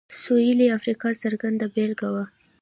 سوېلي افریقا څرګنده بېلګه وه.